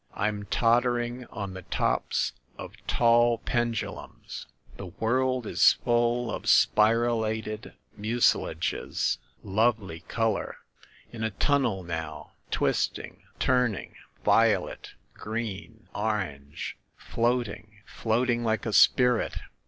"I'm tottering on the tops of tall pendu lums. ... The world is full of spiralated muci lages ... lovely color. ... In a tunnel now, twist ing, turning, violet, green, orange ... floating ... floating like a spirit